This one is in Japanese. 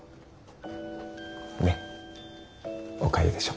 ねっおかゆでしょ？